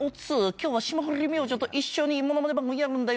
今日は霜降り明星と一緒にものまね番組やるんだよな。